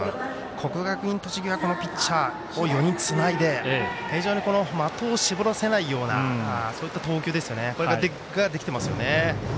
国学院栃木はピッチャーを４人つないで非常に的を絞らせないようなそういった投球ができてますよね。